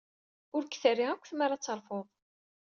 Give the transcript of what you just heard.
Ur k-terri akk tmara terfud.